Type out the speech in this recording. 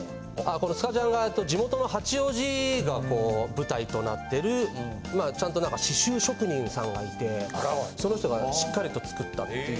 このスカジャンが地元の八王子が舞台となってるちゃんと刺繍職人さんがいてその人がしっかりと作ったっていう。